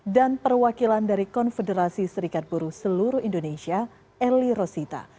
dan perwakilan dari konfederasi serikat buru seluruh indonesia eli rosita